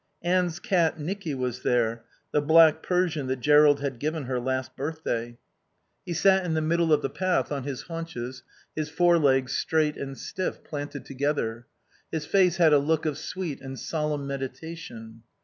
Anne's cat, Nicky, was there, the black Persian that Jerrold had given her last birthday. He sat in the middle of the path, on his haunches, his forelegs straight and stiff, planted together. His face had a look of sweet and solemn meditation.